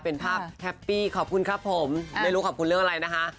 เป็นภาพแฮปปี้ขอบคุณครับผมไม่รู้ขอบคุณเรื่องอะไรนะคะ